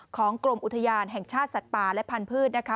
กรมอุทยานแห่งชาติสัตว์ป่าและพันธุ์นะคะ